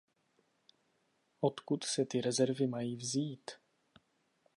Odkud se ty rezervy mají vzít?